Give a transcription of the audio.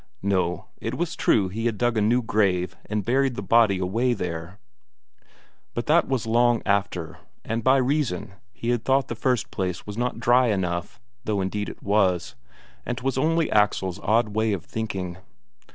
No, it was true he had dug a new grave and buried the body away there, but that was long after, and by reason he had thought the first place was not dry enough, though indeed it was, and 'twas only Axel's odd way of thinking.